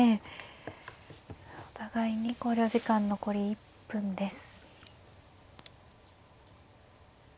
お互いに考慮時間残り１分です。